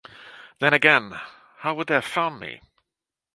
Then again, how would they have found me?